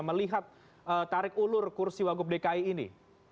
melihat tarik ulur kursi wagub dki ini